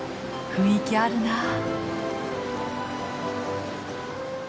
雰囲気あるな。